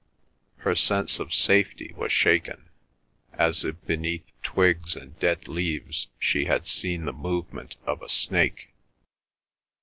Her sense of safety was shaken, as if beneath twigs and dead leaves she had seen the movement of a snake.